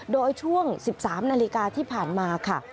โดยช่วง๑๓นาฬิกาที่ผ่านมาค่ะ